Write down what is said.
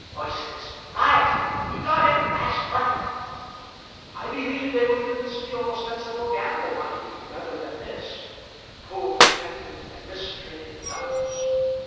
[Voices. "Right he got every last one of them."] I believe they will even steal ostensible gamble money, rather than miss, poor, tempted, and mistrained fellows.